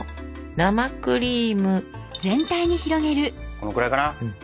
このくらいかな？